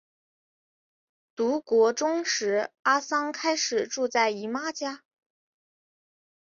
读国中时阿桑开始住在姨妈家。